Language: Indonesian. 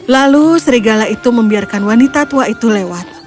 lalu serigala itu membiarkan wanita tua itu lewat